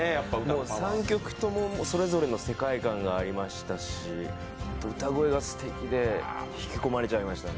３曲ともそれぞれの世界観がありましたし歌声がすてきで引き込まれちゃいましたね。